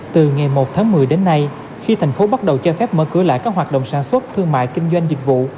từ ngày một tháng một mươi đến nay khi thành phố bắt đầu cho phép mở cửa lại các hoạt động sản xuất thương mại kinh doanh dịch vụ